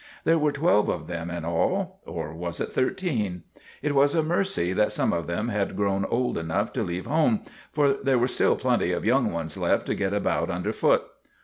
There were twelve of them in all or was it thirteen ? It was a mercy that some of them had grown old enough to leave home, for there were still plenty of young ones left to get about under foot.